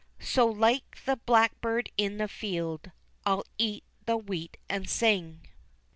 So like the black bird in the field, I'll eat the wheat and sing.